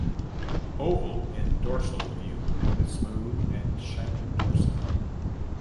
Oval in dorsal view with smooth and shining dorsum.